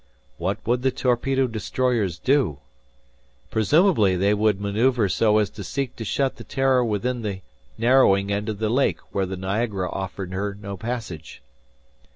What would the torpedo destroyers do? Presumably, they would maneuver so as to seek to shut the "Terror" within the narrowing end of the lake where the Niagara offered her no passage.